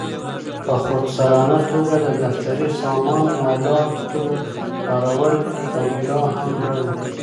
په خودسرانه توګه د دفتري سامان آلاتو کارول او یا هم وړل.